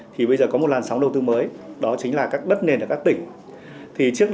thì bây giờ có một làn sóng đầu tư mới đó chính là các đất nền ở các tỉnh